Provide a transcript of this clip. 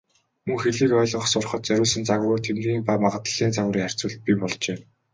Мөн хэлийг ойлгох, сурахад зориулсан загварууд, тэмдгийн ба магадлалын загварын харьцуулал бий болжээ.